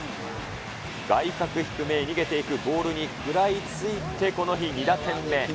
外角低めへ逃げていくボールに食らいついてこの日２打点目。